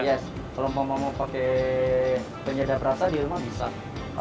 yes kalau mau pakai penyedap rasa di rumah bisa